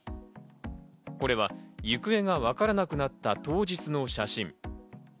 これは行方がわからなくなった当日の写真。